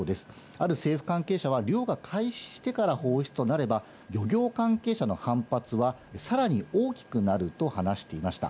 ある政府関係者は、漁が開始してから放出となれば、漁業関係者の反発はさらに大きくなると話していました。